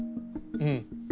うん。